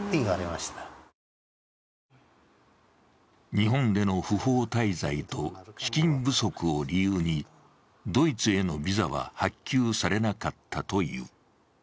日本での不法滞在と資金不足を理由にドイツへのビザは発給されなかったという。